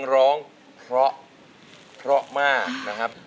ร้องเพราะเพราะมากนะครับ